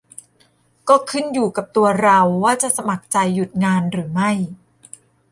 ก็ขึ้นอยู่กับตัวเราว่าจะสมัครใจหยุดงานหรือไม่